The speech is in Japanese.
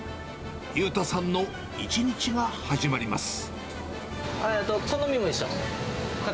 祐太さんの一日が始まります。